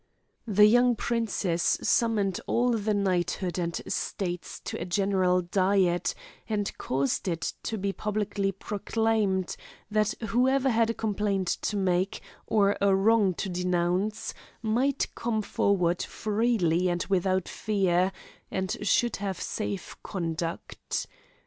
The young princess summoned all the knighthood and states to a general diet, and caused it to be publicly proclaimed, that whoever had a complaint to make, or a wrong to denounce, might come forward freely and without fear, and should have a safe conduct.